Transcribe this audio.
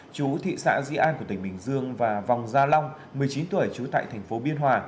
chú thị xã di an của tỉnh bình dương và vòng gia long một mươi chín tuổi trú tại thành phố biên hòa